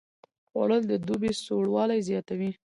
خوړل د دوبي سوړوالی زیاتوي